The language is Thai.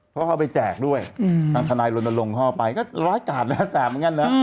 เพราะเขาไปแจกด้วยทนายลงไปก็ร้ายกาดหน้าแสบเหมือนกัน